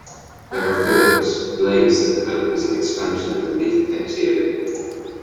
These are phyllodes, blades that develop as an expansion of the leaf petiole.